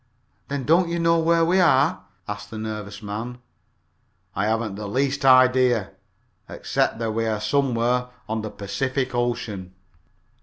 "Then don't you know where we are?" asked the nervous man. "I haven't the least idea, except that we are somewhere on the Pacific Ocean."